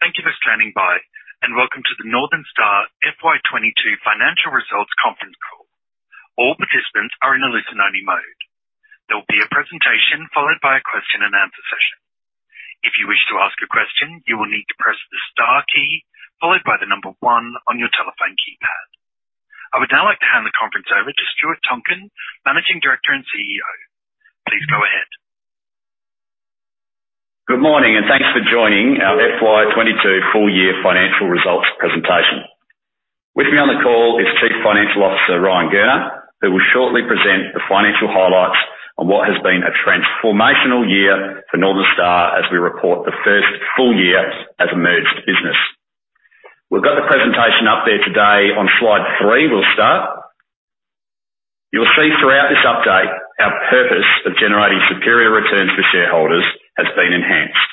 Thank you for standing by, and welcome to the Northern Star FY 2022 financial results conference call. All participants are in a listen-only mode. There will be a presentation followed by a question and answer session. If you wish to ask a question, you will need to press the star key followed by the number one on your telephone keypad. I would now like to hand the conference over to Stuart Tonkin, Managing Director and CEO. Please go ahead. Good morning, and thanks for joining our FY 2022 full year financial results presentation. With me on the call is Chief Financial Officer Ryan Gurner, who will shortly present the financial highlights on what has been a transformational year for Northern Star as we report the first full year as a merged business. We've got the presentation up there today. On slide three, we'll start. You'll see throughout this update, our purpose of generating superior returns for shareholders has been enhanced.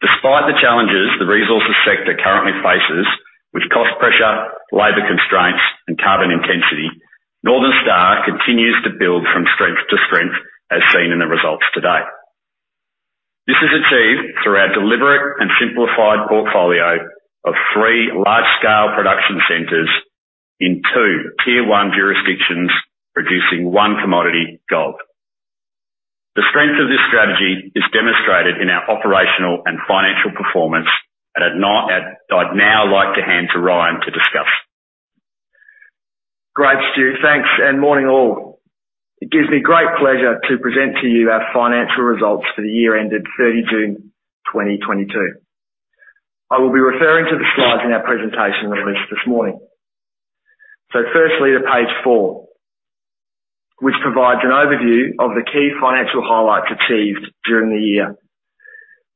Despite the challenges the resources sector currently faces with cost pressure, labor constraints, and carbon intensity, Northern Star continues to build from strength to strength, as seen in the results to date. This is achieved through our deliberate and simplified portfolio of three large-scale production centers in two Tier 1 jurisdictions, producing one commodity, gold. The strength of this strategy is demonstrated in our operational and financial performance, and I'd now like to hand to Ryan to discuss. Great, Stu. Thanks. Morning, all. It gives me great pleasure to present to you our financial results for the year ended June 30, 2022. I will be referring to the slides in our presentation release this morning. Firstly, to page four, which provides an overview of the key financial highlights achieved during the year.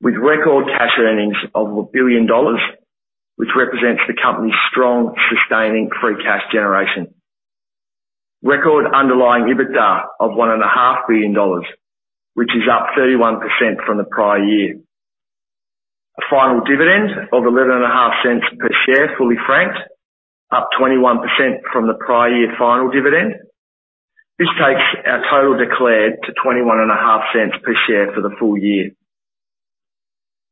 With record cash earnings of 1 billion dollars, which represents the company's strong sustaining free cash generation. Record underlying EBITDA of 1.5 billion dollars, which is up 31% from the prior year. A final dividend of 0.115 per share, fully franked, up 21% from the prior year final dividend. This takes our total declared to 0.215 per share for the full year.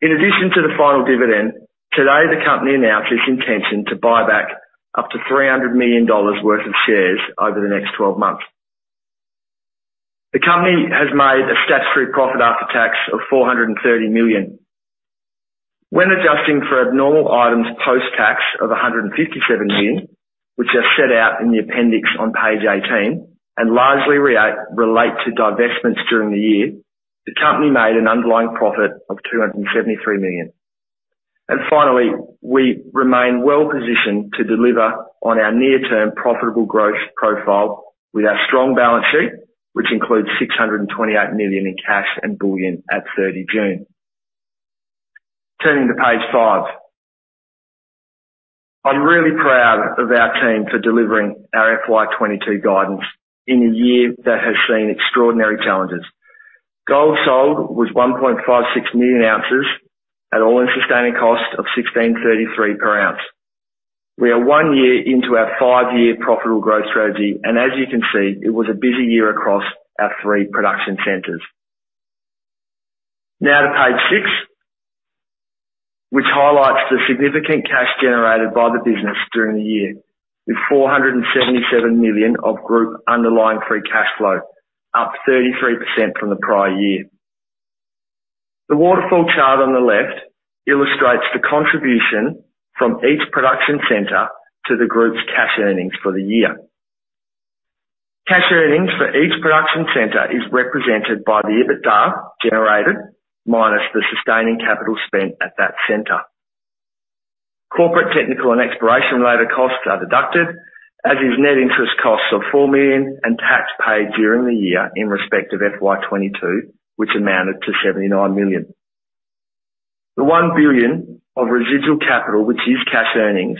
In addition to the final dividend, today, the company announced its intention to buy back up to 300 million dollars worth of shares over the next twelve months. The company has made a statutory profit after tax of 430 million. When adjusting for abnormal items post-tax of 157 million, which are set out in the appendix on page 18 and largely relate to divestments during the year, the company made an underlying profit of 273 million. Finally, we remain well-positioned to deliver on our near-term profitable growth profile with our strong balance sheet, which includes 628 million in cash and bullion at 30 June. Turning to page five. I'm really proud of our team for delivering our FY 2022 guidance in a year that has seen extraordinary challenges. Gold sold was 1.56 million ounces at All-in Sustaining Costs of 1,633 per ounce. We are one year into our five-year profitable growth strategy, and as you can see, it was a busy year across our three production centers. Now to page six, which highlights the significant cash generated by the business during the year, with 477 million of group underlying free cash flow, up 33% from the prior year. The waterfall chart on the left illustrates the contribution from each production center to the group's cash earnings for the year. Cash earnings for each production center is represented by the EBITDA generated minus the sustaining capital spent at that center. Corporate, technical, and exploration-related costs are deducted, as is net interest costs of 4 million and tax paid during the year in respect of FY 2022, which amounted to 79 million. The 1 billion of residual capital, which is cash earnings,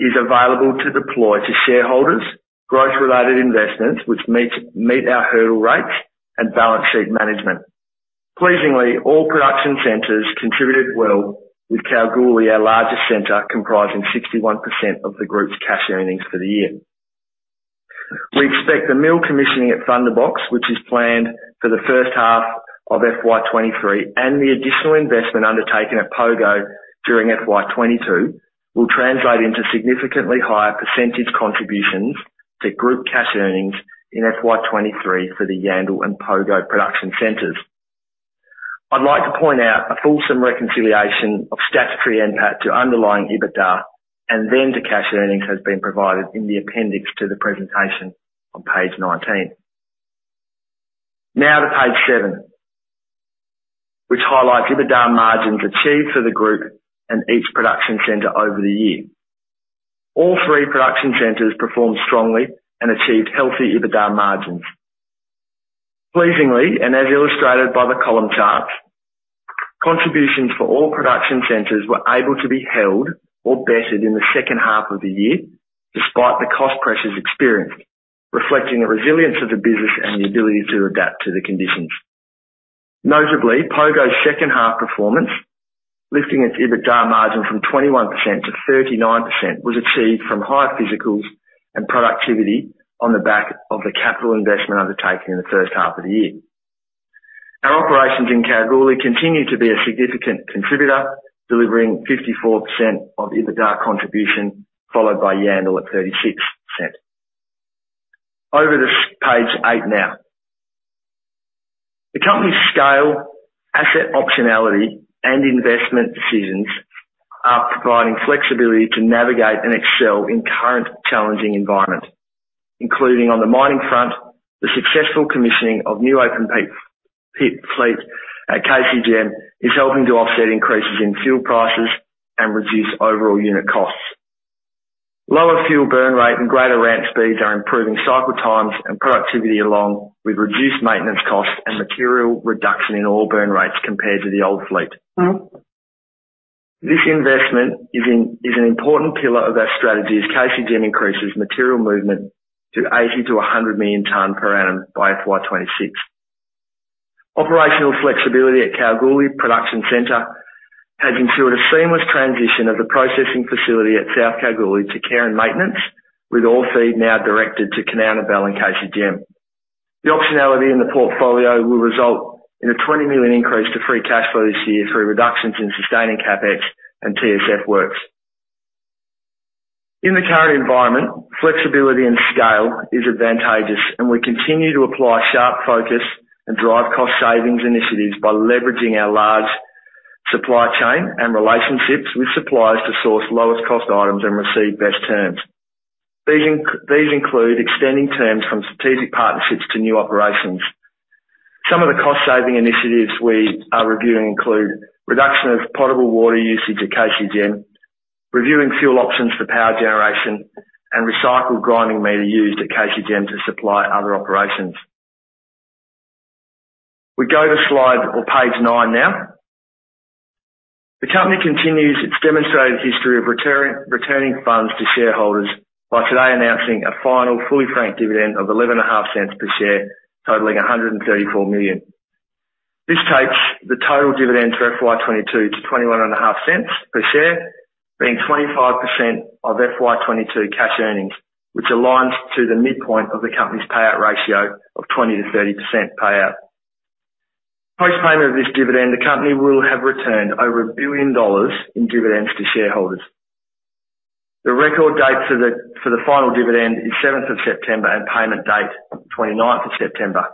is available to deploy to shareholders, growth-related investments which meet our hurdle rates and balance sheet management. Pleasingly, all production centers contributed well, with Kalgoorlie, our largest center, comprising 61% of the group's cash earnings for the year. We expect the mill commissioning at Thunderbox, which is planned for the first half of FY 2023 and the additional investment undertaken at Pogo during FY 2022, will translate into significantly higher percentage contributions to group cash earnings in FY 2023 for the Yandal and Pogo production centers. I'd like to point out a fulsome reconciliation of statutory NPAT to underlying EBITDA, and then to cash earnings has been provided in the appendix to the presentation on page 19. Now to page seven, which highlights EBITDA margins achieved for the group and each production center over the year. All three production centers performed strongly and achieved healthy EBITDA margins. Pleasingly, as illustrated by the column charts, contributions for all production centers were able to be held or bettered in the second half of the year, despite the cost pressures experienced, reflecting the resilience of the business and the ability to adapt to the conditions. Notably, Pogo's second half performance, lifting its EBITDA margin from 21%-39%, was achieved from higher physicals and productivity on the back of the capital investment undertaken in the first half of the year. Our operations in Kalgoorlie continue to be a significant contributor, delivering 54% of EBITDA contribution, followed by Yandal at 36%. Over to page eight now. The company's scale, asset optionality, and investment decisions are providing flexibility to navigate and excel in current challenging environment, including on the mining front, the successful commissioning of new open pit fleet at KCGM is helping to offset increases in fuel prices and reduce overall unit costs. Lower fuel burn rate and greater ramp speeds are improving cycle times and productivity, along with reduced maintenance costs and material reduction in oil burn rates compared to the old fleet. This investment is an important pillar of our strategy as KCGM increases material movement to 80-100 million tons per annum by FY 2026. Operational flexibility at Kalgoorlie Production Center has ensured a seamless transition of the processing facility at South Kalgoorlie to care and maintenance, with all feed now directed to Kanowna Belle and KCGM. The optionality in the portfolio will result in an 20 million increase to free cash flow this year through reductions in sustaining CapEx and TSF works. In the current environment, flexibility and scale is advantageous, and we continue to apply sharp focus and drive cost savings initiatives by leveraging our large supply chain and relationships with suppliers to source lowest cost items and receive best terms. These include extending terms from strategic partnerships to new operations. Some of the cost-saving initiatives we are reviewing include reduction of potable water usage at KCGM, reviewing fuel options for power generation, and recycled grinding media used at KCGM to supply other operations. We go to slide or page 9 now. The company continues its demonstrated history of return, returning funds to shareholders by today announcing a final fully franked dividend of 0.115 per share, totaling 134 million. This takes the total dividends for FY 2022 to 0.215 per share, being 25% of FY 2022 cash earnings, which aligns to the midpoint of the company's payout ratio of 20%-30% payout. Post-payment of this dividend, the company will have returned over 1 billion dollars in dividends to shareholders. The record date for the final dividend is 7th of September, and payment date, 29th of September.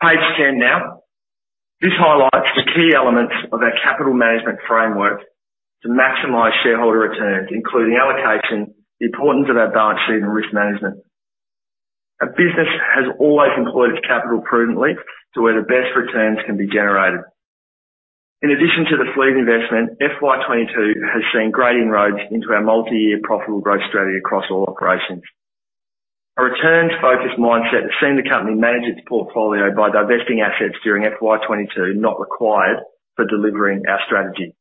Page ten now. This highlights the key elements of our capital management framework to maximize shareholder returns, including allocation, the importance of our balance sheet, and risk management. Our business has always employed its capital prudently to where the best returns can be generated. In addition to the fleet investment, FY 2022 has seen great inroads into our multi-year profitable growth strategy across all operations. A returns-focused mindset has seen the company manage its portfolio by divesting assets during FY 2022 not required for delivering our strategy.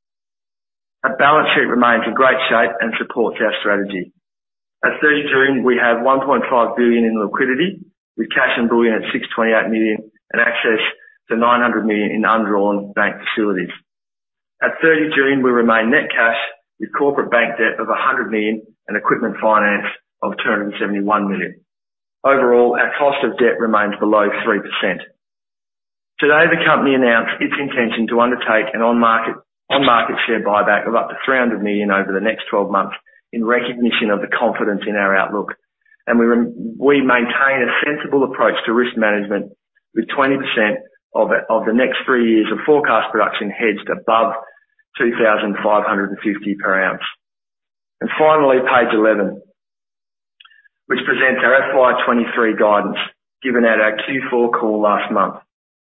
Our balance sheet remains in great shape and supports our strategy. At June 30, we have 1.5 billion in liquidity, with cash and bullion at 628 million, and access to 900 million in undrawn bank facilities. At June 30, we remain net cash with corporate bank debt of 100 million and equipment finance of 271 million. Overall, our cost of debt remains below 3%. Today, the company announced its intention to undertake an on-market share buyback of up to 300 million over the next 12 months in recognition of the confidence in our outlook. We maintain a sensible approach to risk management with 20% of the next three years of forecast production hedged above $2,550 per ounce. Finally, page 11, which presents our FY 2023 guidance given at our Q4 call last month.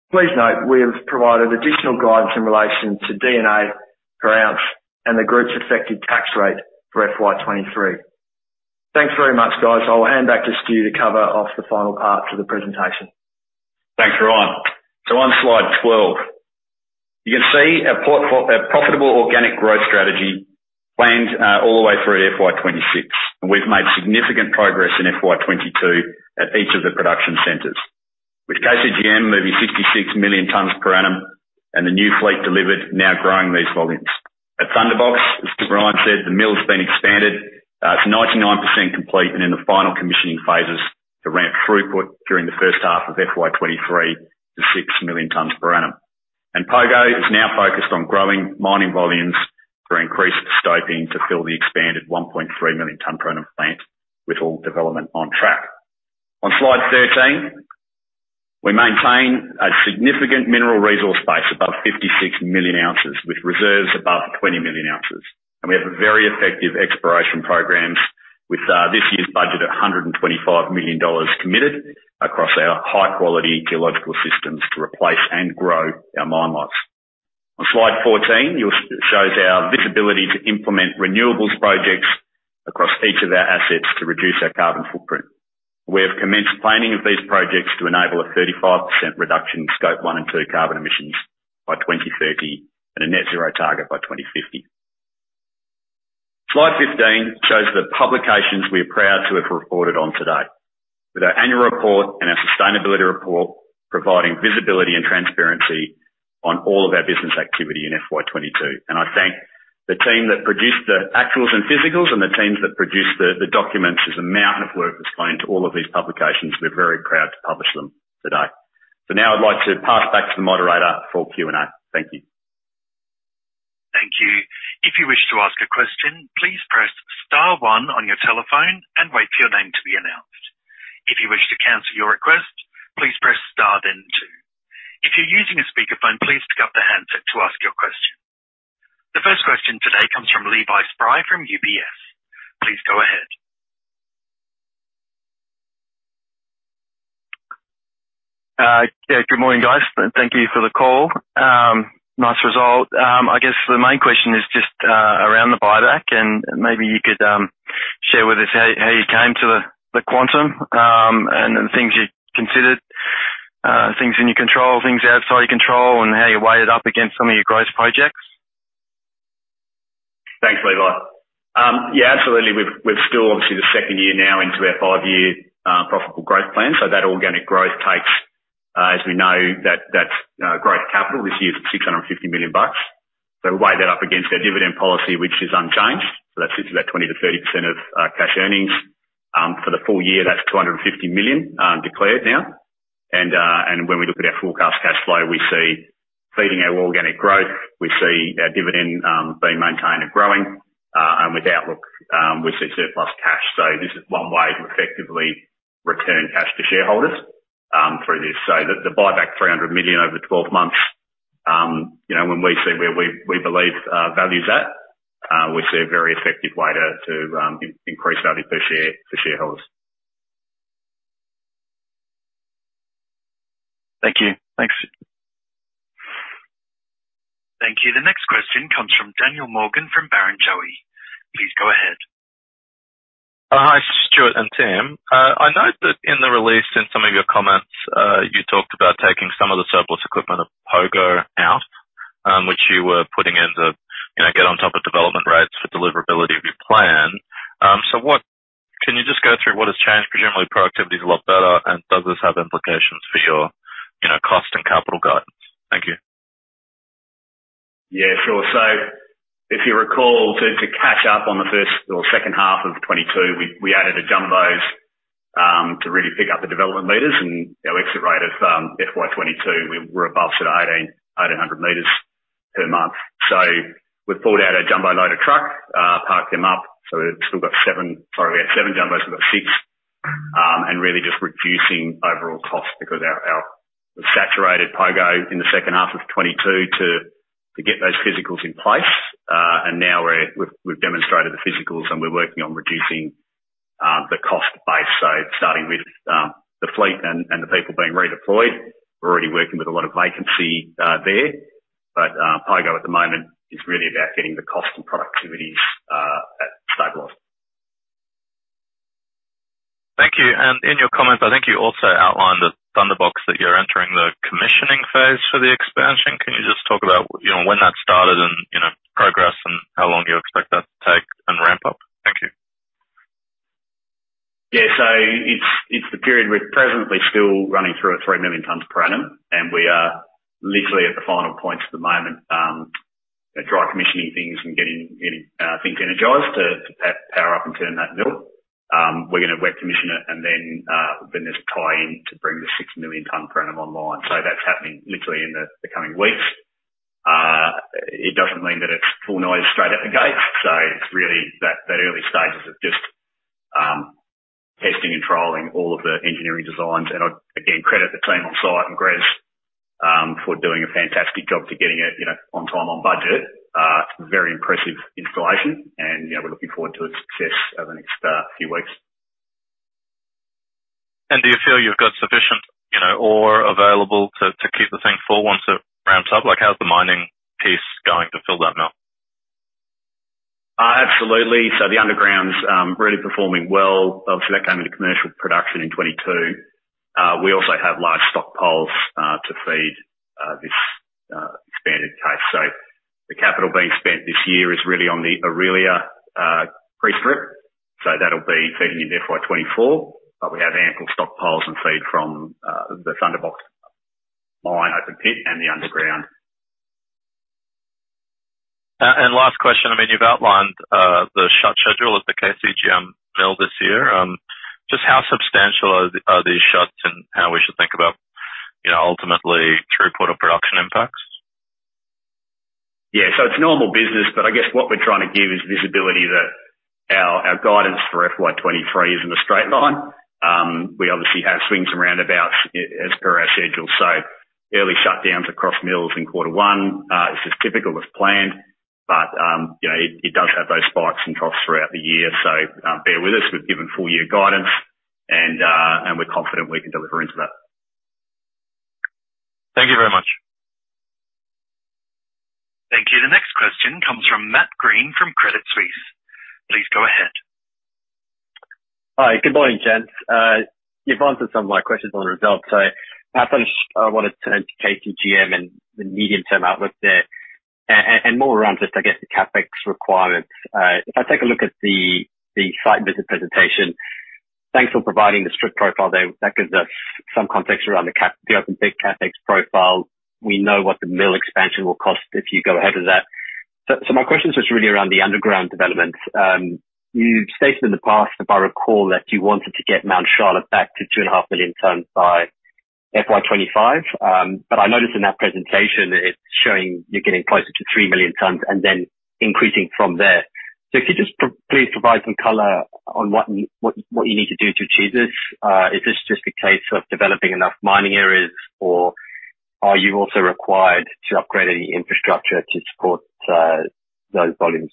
Please note, we have provided additional guidance in relation to D&A per ounce and the group's effective tax rate for FY 2023. Thanks very much, guys. I'll hand back to Stu to cover off the final part of the presentation. Thanks, Ryan. On slide 12, you can see our profitable organic growth strategy planned all the way through FY 2026, and we've made significant progress in FY 2022 at each of the production centers, with KCGM moving 66 million tons per annum and the new fleet delivered now growing these volumes. At Thunderbox, as Ryan said, the mill's been expanded. It's 99% complete and in the final commissioning phases to ramp throughput during the first half of FY 2023 to 6 million tons per annum. Pogo is now focused on growing mining volumes through increased stoping to fill the expanded 1.3 million ton per annum plant, with all development on track. On slide 13, we maintain a significant mineral resource base above 56 million ounces with reserves above 20 million ounces, and we have very effective exploration programs with this year's budget of 125 million dollars committed across our high-quality geological systems to replace and grow our mine lives. On slide 14, shows our visibility to implement renewables projects across each of our assets to reduce our carbon footprint. We have commenced planning of these projects to enable a 35% reduction in Scope one and two carbon emissions by 2030 and a net zero target by 2050. Slide 15 shows the publications we are proud to have reported on today. With our annual report and our sustainability report, providing visibility and transparency on all of our business activity in FY 2022. I thank the team that produced the actuals and physicals and the teams that produced the documents. There's a mountain of work that's gone into all of these publications. We're very proud to publish them today. Now I'd like to pass back to the moderator for Q&A. Thank you. Thank you. If you wish to ask a question, please press star one on your telephone and wait for your name to be announced. If you wish to cancel your request, please press star then two. If you're using a speakerphone, please pick up the handset to ask your question. The first question today comes from Levi Spry from UBS. Please go ahead. Yeah, good morning, guys. Thank you for the call. Nice result. I guess the main question is just around the buyback, and maybe you could share with us how you came to the quantum, and the things you considered, things in your control, things outside your control, and how you weighed it up against some of your growth projects. Thanks, Levi. Yeah, absolutely. We're still obviously the second year now into our five-year profitable growth plan. That organic growth takes growth capital, as we know. This year it's 650 million bucks. We weigh that up against our dividend policy, which is unchanged. That sits about 20%-30% of our cash earnings. For the full year, that's AUD 250 million declared now. When we look at our forecast cash flow, we see funding our organic growth. We see our dividend being maintained and growing, and with outlook, we see surplus cash. This is one way to effectively return cash to shareholders through this. The buyback, 300 million over 12 months, you know, when we see where we believe value's at, we see a very effective way to increase value per share for shareholders. Thank you. Thanks. Thank you. The next question comes from Daniel Morgan from Barrenjoey. Please go ahead. Hi, Stuart and Ryan. I note that in the release, in some of your comments, you talked about taking some of the surplus equipment of Pogo out, which you were putting in to, you know, get on top of development rates for deliverability of your plan. Can you just go through what has changed? Presumably, productivity is a lot better, and does this have implications for your, you know, cost and capital guidance? Thank you. Yeah, sure. If you recall, to catch up on the first or second half of 2022, we added the jumbos to really pick up the development meters and our exit rate of FY 2022, we were above sort of 1,800 meters per month. We pulled out our jumbo, loader, truck, parked them up. We've still got seven. Sorry, we had seven jumbos, we've got six and really just reducing overall costs because our we saturated Pogo in the second half of 2022 to get those physicals in place. And now we've demonstrated the physicals and we're working on reducing the cost base. Starting with the fleet and the people being redeployed, we're already working with a lot of vacancy there. Pogo at the moment is really about getting the costs and productivities stabilized. Thank you. In your comments, I think you also outlined at Thunderbox that you're entering the commissioning phase for the expansion. Can you just talk about, you know, when that started and, you know, progress and how long you expect that to take and ramp up? Thank you. Yeah. It's the period we're presently still running through at 3 million tons per annum, and we are literally at the final points at the moment, you know, dry commissioning things and getting things energized to power up and turn that mill. We're gonna wet commission it and then there's a tie in to bring the six million tons per annum online. That's happening literally in the coming weeks. It doesn't mean that it's full noise straight out the gates. It's really that early stages of just testing and trialing all of the engineering designs. I again credit the team on site and GR Engineering Services for doing a fantastic job in getting it, you know, on time, on budget. It's a very impressive installation and, you know, we're looking forward to its success over the next few weeks. Do you feel you've got sufficient, you know, ore available to keep the thing full once it ramps up? Like, how's the mining piece going to fill that mill? Absolutely. The underground's really performing well. Obviously, that came into commercial production in 2022. We also have large stockpiles to feed this expanded case. The capital being spent this year is really on the Orelia pre-strip. That'll be feeding in FY 2024, but we have ample stockpiles and feed from the Thunderbox mine open pit and the underground. Last question. I mean, you've outlined the shut schedule of the KCGM mill this year. Just how substantial are these shuts and how we should think about, you know, ultimately throughput or production impacts? Yeah. It's normal business, but I guess what we're trying to give is visibility that our guidance for FY 2023 is in a straight line. We obviously have swings and roundabouts as per our schedule. Early shutdowns across mills in quarter one is as typical as planned, but you know, it does have those spikes and troughs throughout the year. Bear with us, we've given full year guidance and we're confident we can deliver into that. Thank you very much. Thank you. The next question comes from Matt Greene from Credit Suisse. Please go ahead. Hi. Good morning, gents. You've answered some of my questions on results. I finished, I wanna turn to KCGM and the medium-term outlook there. More around just, I guess, the CapEx requirements. If I take a look at the site visit presentation, thanks for providing the strip profile there. That gives us some context around the open pit CapEx profile. We know what the mill expansion will cost if you go ahead with that. My question is just really around the underground development. You've stated in the past, if I recall, that you wanted to get Mount Charlotte back to 2.5 million tons by FY 2025. I noticed in that presentation, it's showing you're getting closer to 3 million tons and then increasing from there. If you could just please provide some color on what you need to do to achieve this. Is this just a case of developing enough mining areas, or are you also required to upgrade any infrastructure to support those volumes?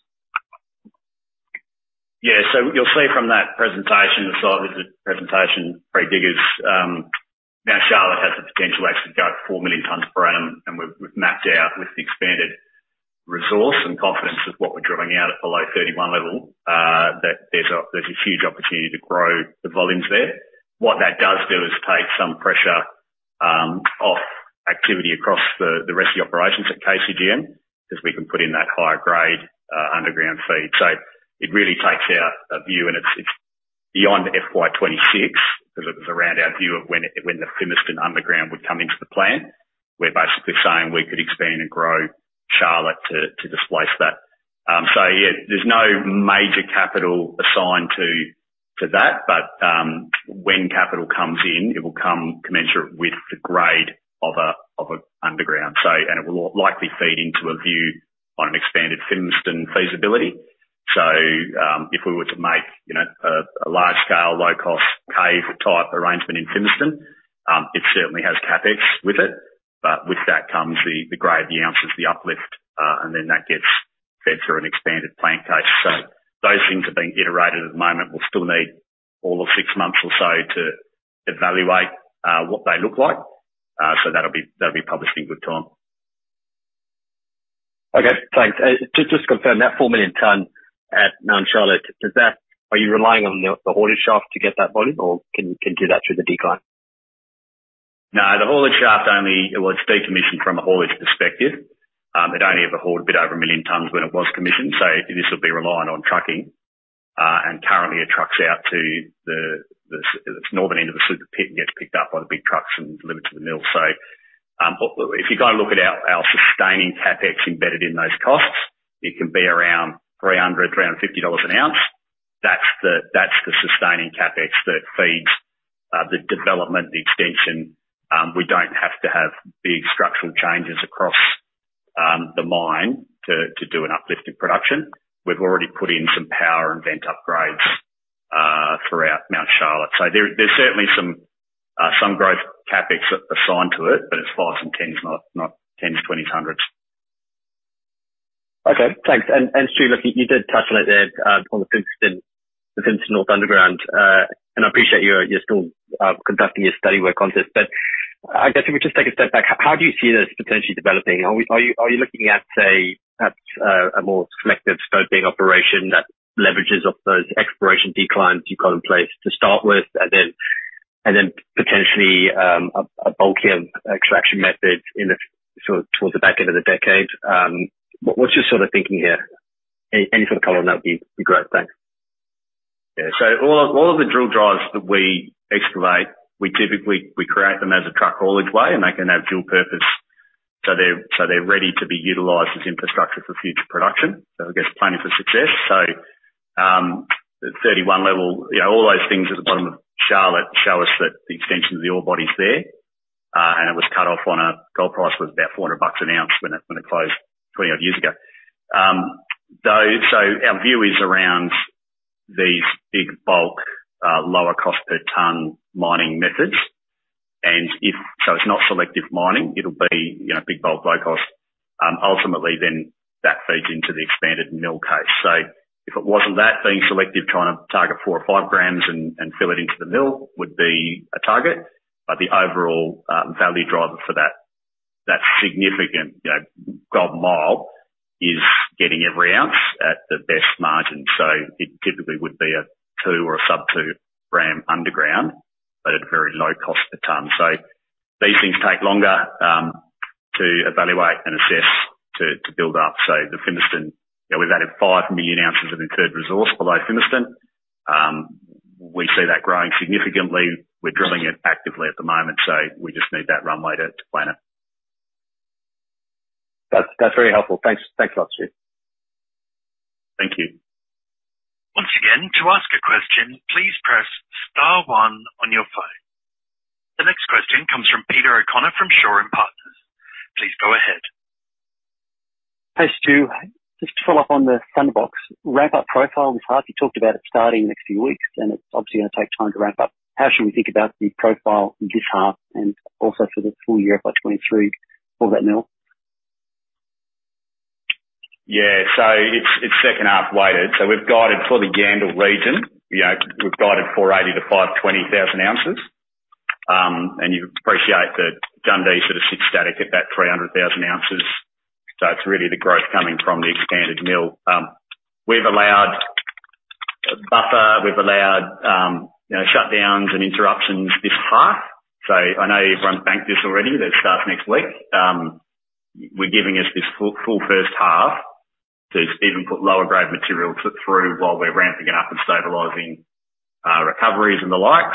You'll see from that presentation, the site visit presentation, Greg Diggers, Mount Charlotte has the potential actually to go up to 4 million tons per annum, and we've mapped out with the expanded resource and confidence of what we're drilling out at the low 31 level, that there's a huge opportunity to grow the volumes there. What that does do is take some pressure off activity across the rest of the operations at KCGM, 'cause we can put in that higher grade underground feed. It really takes out a view, and it's beyond FY 2026, 'cause it was around our view of when the Fimiston underground would come into the plant. We're basically saying we could expand and grow Charlotte to displace that. There's no major capital assigned to that, but when capital comes in, it will come commensurate with the grade of a underground site, and it will likely feed into a view on an expanded Fimiston feasibility. If we were to make, you know, a large scale, low cost cave type arrangement in Fimiston, it certainly has CapEx with it. But with that comes the grade, the ounces, the uplift, and then that gets fed through an expanded plan case. Those things are being iterated at the moment. We'll still need all of six months or so to evaluate what they look like. That'll be published in good time. Okay, thanks. To just confirm, that 4 million ton at Mount Charlotte, are you relying on the haulage shaft to get that volume or can you do that through the decline? No, the haulage shaft only—it was decommissioned from a haulage perspective. It only ever hauled a bit over 1 million tons when it was commissioned, so this would be reliant on trucking. Currently it trucks out to its northern end of the super pit and gets picked up by the big trucks and delivered to the mill. If you go and look at our sustaining CapEx embedded in those costs, it can be around $300-$350 an ounce. That's the sustaining CapEx that feeds the development, the extension. We don't have to have big structural changes across the mine to do an uplift in production. We've already put in some power and vent upgrades throughout Mount Charlotte. There's certainly some growth CapEx assigned to it, but it's 5s and 10s, not 10s, 20s, 100s. Okay, thanks. Stu, look, you did touch on it there, on the Fimiston underground. I appreciate you're still conducting your study work on this, but I guess if we just take a step back, how do you see this potentially developing? Are you looking at a more selective scoping operation that leverages off those exploration declines you've got in place to start with and then potentially a bulkier extraction method sort of towards the back end of the decade? What's your sort of thinking here? Any sort of color on that would be great. Thanks. Yeah. All of the drill drives that we excavate, we typically create them as a truck haulage way, and they can have dual purpose, so they're ready to be utilized as infrastructure for future production. I guess planning for success. The 31 level, you know, all those things at the bottom of Charlotte show us that the extension of the ore body is there, and it was cut off at a gold price of about $400 an ounce when it closed 20-odd years ago. Our view is around these big bulk lower cost per ton mining methods. It's not selective mining, it'll be, you know, big bulk, low cost. Ultimately, then that feeds into the expanded mill case. If it wasn't that, being selective, trying to target 4 or 5 grams and fill it into the mill would be a target. The overall value driver for that significant Golden Mile is getting every ounce at the best margin. It typically would be a 2 or a sub-2 gram underground, but at a very low cost per ton. These things take longer to evaluate and assess, to build up. The Fimiston, we've added 5 million ounces of inferred resource below Fimiston. We see that growing significantly. We're drilling it actively at the moment, so we just need that runway to plan it. That's very helpful. Thanks. Thanks a lot, Stu. Thank you. Once again, to ask a question, please press star one on your phone. The next question comes from Peter O'Connor from Shaw and Partners. Please go ahead. Hey, Stuart. Just to follow up on the Thunderbox ramp-up profile this half. You talked about it starting next few weeks, and it's obviously gonna take time to ramp up. How should we think about the profile this half and also for the full year by 2023 for that mill? Yeah, it's second half weighted. We've guided for the Yandal region. You know, we've guided 480-520 thousand ounces. And you appreciate that Jundee sort of sits static at that 300,000 ounces. It's really the growth coming from the expanded mill. We've allowed, you know, shutdowns and interruptions this half. I know everyone banked this already. That starts next week. We're giving us this full first half to even put lower grade material through while we're ramping up and stabilizing recoveries and the like.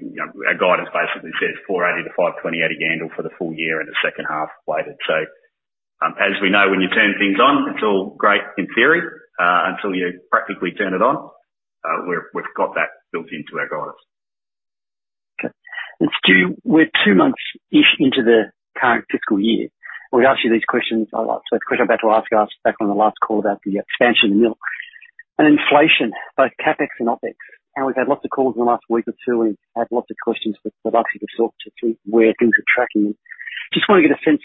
You know, our guidance basically says 480-520 at Yandal for the full year and the second half weighted. As we know, when you turn things on, it's all great in theory until you practically turn it on. We've got that built into our guidance. Okay. Stuart, we're two months-ish into the current fiscal year. We ask you these questions a lot, so the question I'm about to ask you, I asked back on the last call about the expansion mill and inflation, both CapEx and OpEx. We've had lots of calls in the last week or two, and we've had lots of questions that I'd like you to talk to where things are tracking. Just wanna get a sense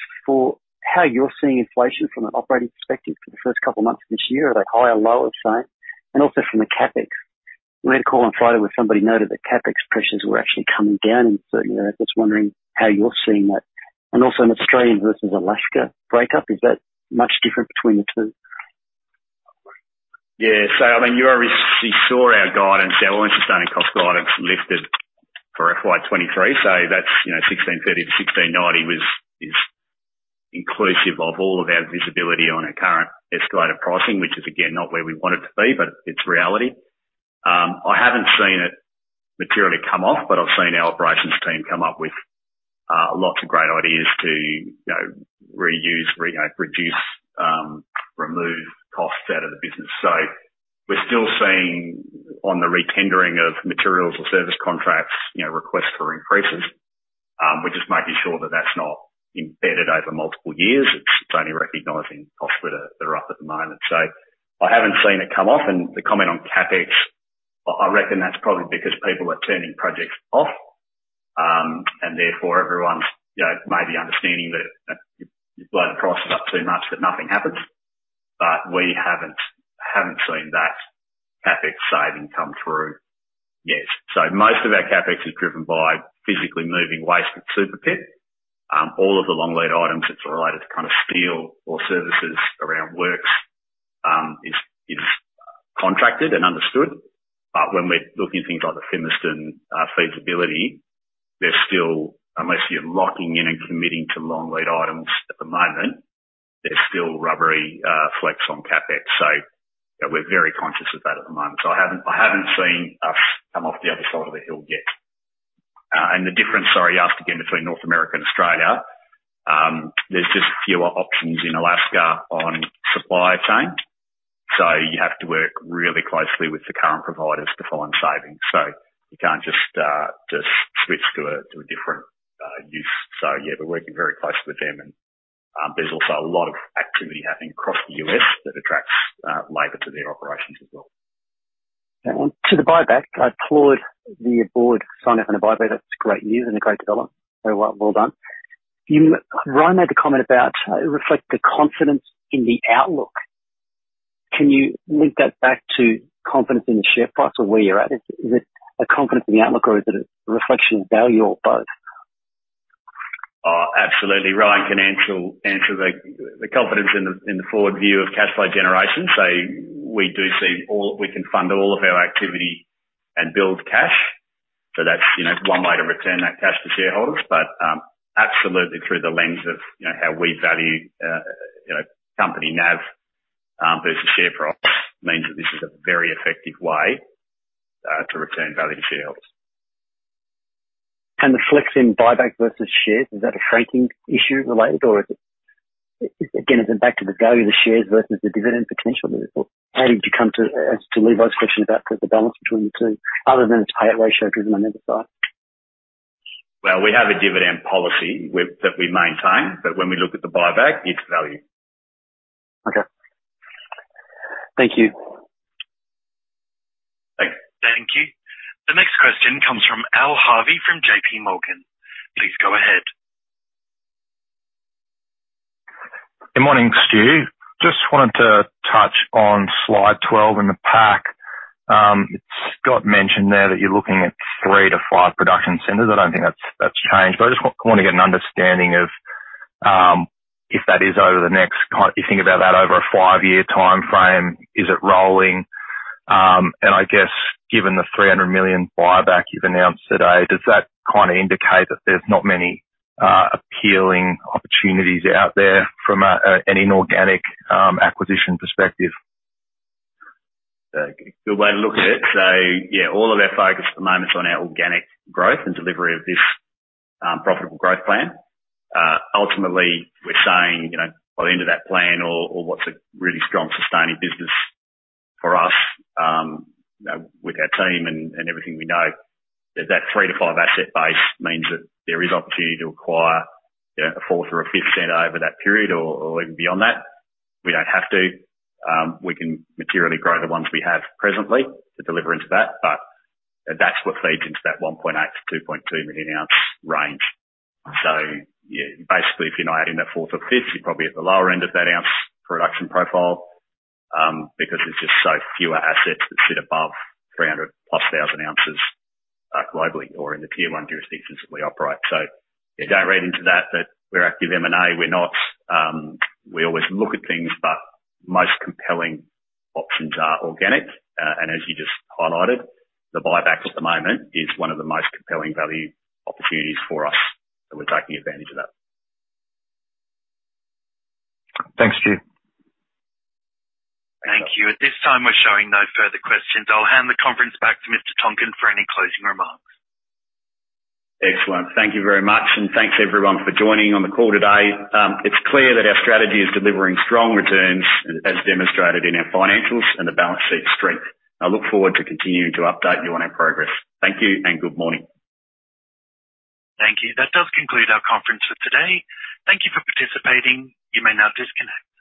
for how you're seeing inflation from an operating perspective for the first couple of months of this year. Are they higher, lower, same? Also from the CapEx. We had a call on Friday where somebody noted that CapEx pressures were actually coming down in certain areas. Just wondering how you're seeing that. Also in Australian versus Alaska breakdown, is that much different between the two? Yeah. I mean, you already saw our guidance, our All-in Sustaining Costs guidance lifted for FY 2023. That's, you know, 1,630-1,690 was, is inclusive of all of our visibility on our current escalated pricing, which is, again, not where we want it to be, but it's reality. I haven't seen it materially come off, but I've seen our operations team come up with lots of great ideas to, you know, reuse, reduce, remove costs out of the business. We're still seeing on the re-tendering of materials or service contracts, you know, requests for increases. We're just making sure that that's not embedded over multiple years. It's only recognizing costs that are up at the moment. I haven't seen it come off. The comment on CapEx, I reckon that's probably because people are turning projects off, and therefore everyone's, you know, maybe understanding that you blow the prices up too much that nothing happens. But we haven't seen that CapEx saving come through yet. Most of our CapEx is driven by physically moving waste at Super Pit. All of the long lead items that's related to kind of steel or services around works is contracted and understood. But when we're looking at things like the Fimiston feasibility, there's still, unless you're locking in and committing to long lead items at the moment, there's still rubbery flex on CapEx. You know, we're very conscious of that at the moment. I haven't seen us come off the other side of the hill yet. The difference, sorry, you asked again, between North America and Australia. There's just fewer options in Alaska on supply chain, so you have to work really closely with the current providers to find savings. You can't just switch to a different supplier. Yeah, we're working very closely with them. There's also a lot of activity happening across the U.S. that attracts labor to their operations as well. On to the buyback. I applaud the board signing up on a buyback. That's great news and a great development. Very well, well done. You, Ryan made the comment about it reflect the confidence in the outlook. Can you link that back to confidence in the share price or where you're at? Is it a confidence in the outlook or is it a reflection of value or both? Oh, absolutely. Ryan can answer the confidence in the forward view of cash flow generation. We do see we can fund all of our activity and build cash. That's, you know, one way to return that cash to shareholders. Absolutely through the lens of, you know, how we value, you know, company NAV versus share price means that this is a very effective way to return value to shareholders. The flex in buyback versus shares, is that a franking issue related or is it back to the value of the shares versus the dividend potential? How did you come to, as to leave those questions about sort of the balance between the two, other than its payout ratio driven on either side? Well, we have a dividend policy that we maintain, but when we look at the buyback, it's value. Okay. Thank you. Thanks. Thank you. The next question comes from Alistair Harvey from JPMorgan. Please go ahead. Good morning, Stu. Just wanted to touch on slide 12 in the pack. It's got mentioned there that you're looking at 3-5 production centers. I don't think that's changed, but I just wanna get an understanding of if that is over the next, you think about that over a five-year timeframe, is it rolling? I guess given the 300 million buyback you've announced today, does that kinda indicate that there's not many appealing opportunities out there from an inorganic acquisition perspective? Good way to look at it. Yeah, all of our focus at the moment is on our organic growth and delivery of this profitable growth plan. Ultimately, we're saying, you know, by the end of that plan or what's a really strong sustaining business for us, you know, with our team and everything we know, that 3-5 asset base means that there is opportunity to acquire, you know, a fourth or a fifth center over that period or even beyond that. We don't have to. We can materially grow the ones we have presently to deliver into that, but that's what feeds into that 1.8 million-2.2 million ounce range. Yeah, basically if you're not adding that fourth or fifth, you're probably at the lower end of that ounce production profile, because there's just so fewer assets that sit above 300+ thousand ounces, globally or in the tier one jurisdictions that we operate. Don't read into that we're active M&A. We're not. We always look at things, but most compelling options are organic. And as you just highlighted, the buyback at the moment is one of the most compelling value opportunities for us, so we're taking advantage of that. Thanks, Stu. Thank you. At this time, we're showing no further questions. I'll hand the conference back to Mr. Tonkin for any closing remarks. Excellent. Thank you very much, and thanks everyone for joining on the call today. It's clear that our strategy is delivering strong returns as demonstrated in our financials and the balance sheet strength. I look forward to continuing to update you on our progress. Thank you and good morning. Thank you. That does conclude our conference for today. Thank you for participating. You may now disconnect.